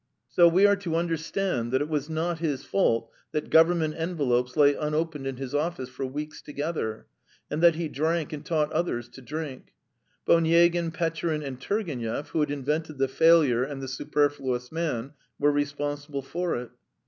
So we are to understand that it was not his fault that Government envelopes lay unopened in his office for weeks together, and that he drank and taught others to drink, but Onyegin, Petchorin, and Turgenev, who had invented the failure and the superfluous man, were responsible for it.